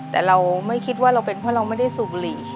แต่เราไม่คิดว่าเราเป็นเพราะเราไม่ได้สูบบุหรี่